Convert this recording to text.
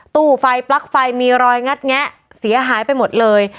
ตู้ไฟปลั๊กไฟมีรอยงัดแงะเสียหายไปหมดเลย